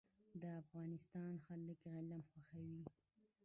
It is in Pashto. د افغانستان خلک علم خوښوي